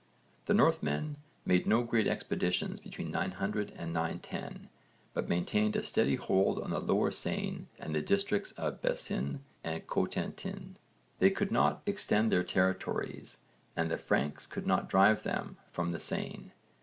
The Northmen made no great expeditions between 900 and 910, but maintained a steady hold on the Lower Seine and the districts of Bessin and Cotentin. They could not extend their territories and the Franks could not drive them from the Seine.